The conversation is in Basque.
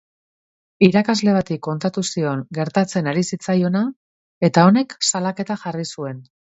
Irakasle bati kontatu zion gertatzen ari zitzaiona eta honek salaketa jarri zuen.